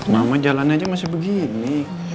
mama jalan aja masih begini